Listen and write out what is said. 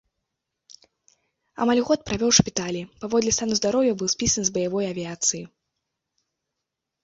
Амаль год правёў у шпіталі, паводле стану здароўя быў спісаны з баявой авіяцыі.